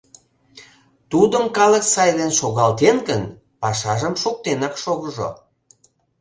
Тудым калык сайлен шогалтен гын, пашажым шуктенак шогыжо.